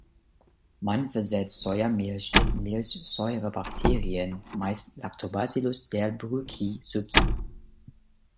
Man versetzt Sojamilch mit Milchsäurebakterien, meist "Lactobacillus delbrueckii" subsp.